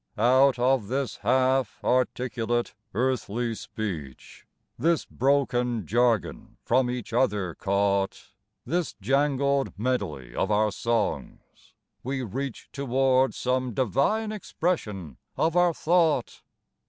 Out of this half articulate earthly speech, This broken jargon from each other caught, This jangled medley of our songs, we reach Toward some divine expression of our thought.